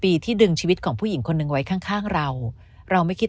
ปีที่ดึงชีวิตของผู้หญิงคนหนึ่งไว้ข้างข้างเราเราไม่คิด